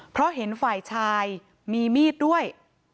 เพราะเห็นฝ่ายชายมีมีดด้วย